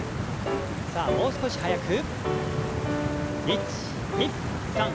さあもう少し速く。